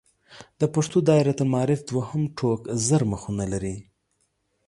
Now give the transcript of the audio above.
د پښتو دایرة المعارف دوهم ټوک زر مخونه لري.